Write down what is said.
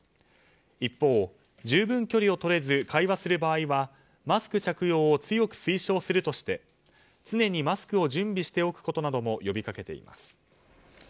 一方、十分距離をとれず会話する場合はマスク着用を強く推奨するとして常にマスクを準備しておくことなども呼び掛けています。